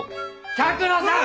百野さん！